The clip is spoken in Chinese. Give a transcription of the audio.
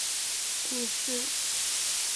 卡尔诺埃特人口变化图示